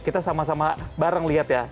kita sama sama bareng lihat ya